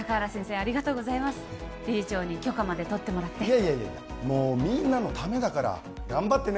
ありがとうございます理事長に許可まで取ってもらっていやいやいやいやもうみんなのためだから頑張ってね